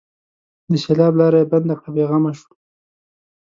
د سېلاب لاره یې بنده کړه؛ بې غمه شو.